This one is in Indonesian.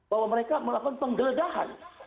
bahwa mereka melakukan penggeledahan